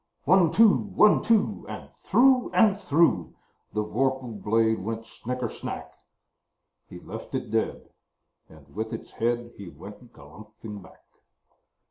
One, two! One, two! And through and through The vorpal blade went snicker snack! He left it dead, and with its head He went galumphing back.